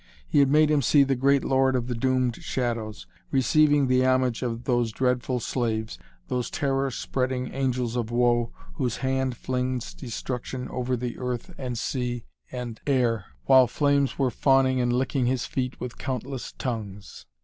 He had made him see the great Lord of the Doomed Shadows, receiving the homage of those dreadful slaves, those terror spreading angels of woe whose hand flings destruction over the earth and sea and air, while flames were fawning and licking his feet with countless tongues.